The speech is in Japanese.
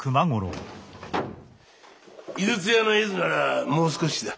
井筒屋の絵図ならもう少しだ。